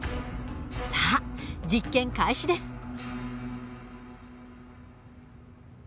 さあ実験開始です。